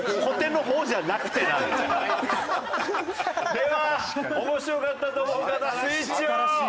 ハハハハ！では面白かったと思う方スイッチオン！